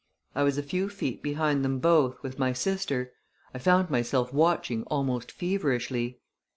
I was a few feet behind them both, with my sister. I found myself watching almost feverishly.